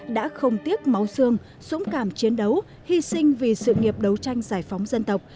đã không tiếc máu xương dũng cảm chiến đấu hy sinh vì sự nghiệp đấu tranh giải phóng dân tộc